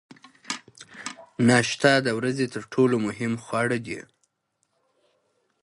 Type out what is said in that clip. ناشته د ورځې تر ټولو مهم خواړه دي.